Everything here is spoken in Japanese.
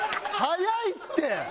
早いって！